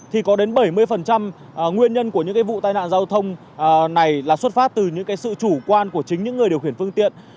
thì có đến bảy mươi nguyên nhân của những vụ tai nạn giao thông này là xuất phát từ những sự chủ quan của chính những người điều khiển phương tiện